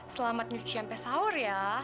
selamat nyuci sampai sahur ya